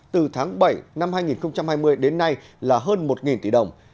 từ tháng bảy năm hai nghìn hai mươi đến nay là hơn một tỷ đồng